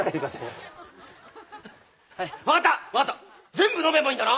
全部飲めばいいんだな？